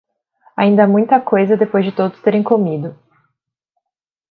Ainda há muita coisa depois de todos terem comido